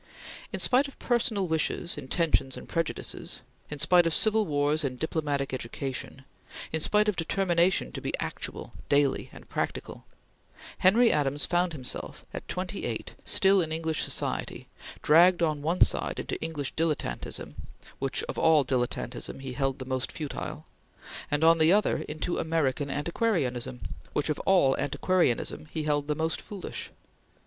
In spite of personal wishes, intentions, and prejudices; in spite of civil wars and diplomatic education; in spite of determination to be actual, daily, and practical, Henry Adams found himself, at twenty eight, still in English society, dragged on one side into English dilettantism, which of all dilettantism he held the most futile; and, on the other, into American antiquarianism, which of all antiquarianism he held the most foolish.